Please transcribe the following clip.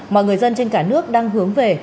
mọi người dân trên cả nước đang hướng về